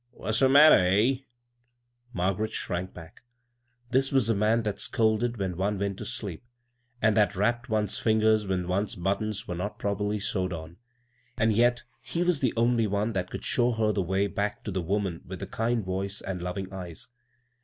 ' What's the matter— eh ?" Margaret shrank back. This was the man that scolded when one went to sleep, and that rapped one's fingers when one's buttons were not properly sewed on ; and yet — he was the only one that could show her the way back to the woman with the kind voice and loving eyes.